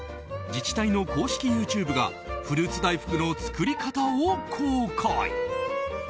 自治体の公式ＹｏｕＴｕｂｅがフルーツ大福の作り方を公開。